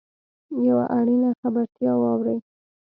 یوه اړینه خبرتیا واورﺉ .